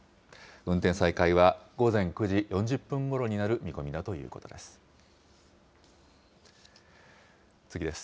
運転再開は午前９時４０分ごろになる見込みだということです。